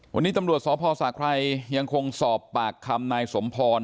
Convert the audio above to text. วันนี้ตำรวจสพศไครยังคงสอบปากคำนายสมพร